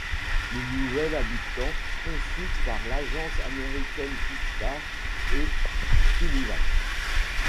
Le nouvel habillage conçu par l'agence américaine Pittard & Sullivan.